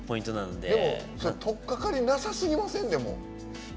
でも、取っかかりなさすぎません？